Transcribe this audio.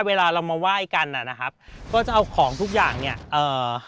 เวลาเรามาไหว้กันอ่ะนะครับก็จะเอาของทุกอย่างเนี้ยเอ่อ